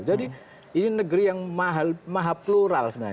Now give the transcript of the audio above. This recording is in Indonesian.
jadi ini negeri yang maha plural sebenarnya